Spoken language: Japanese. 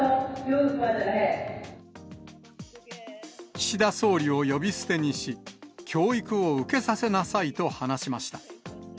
岸田総理を呼び捨てにし、教育を受けさせなさいと話しました。